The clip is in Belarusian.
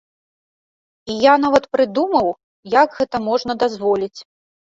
І я нават прыдумаў, як гэта можна дазволіць.